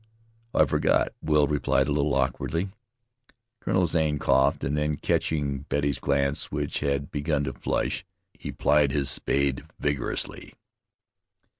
"I forgot," Will replied a little awkwardly. Colonel Zane coughed, and then, catching Betty's glance, which had begun to flash, he plied his spade vigorously.